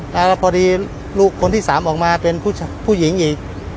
แล้วพอดีลูกคนที่๓ออกมาเป็นผู้หญิงอีก